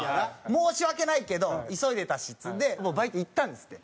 申し訳ないけど急いでたしっつうんでもうバイト行ったんですって。